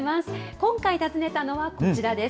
今回訪ねたのはこちらです。